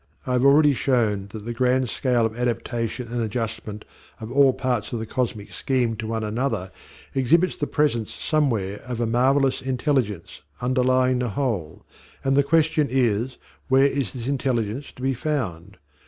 I have already shown that the grand scale of adaptation and adjustment of all parts of the cosmic scheme to one another exhibits the presence somewhere of a marvellous intelligence, underlying the whole, and the question is, where is this intelligence to be found?